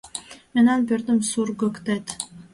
Мемнан пӧртым сургыктет.